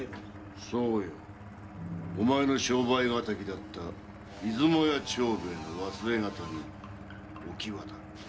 そうよお前の商売敵だった出雲屋長兵衛の忘れ形見お喜和だ。